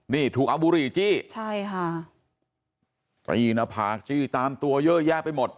นี่ถูกอบุรีจี้ใช่ค่ะปีนภาคจี้ตามตัวเยอะแยะไปหมด